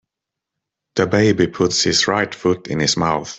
The baby puts his right foot in his mouth.